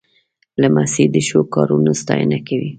لمسی د ښو کارونو ستاینه کوي.